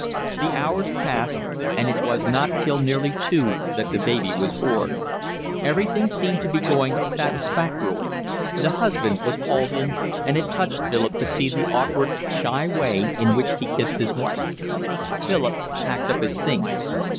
The hours passed, and it was not till nearly two that the baby was born. Everything seemed to be going satisfactorily; the husband was called in, and it touched Philip to see the awkward, shy way in which he kissed his wife; Philip packed up his things.